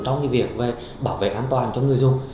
trong việc bảo vệ an toàn cho người dùng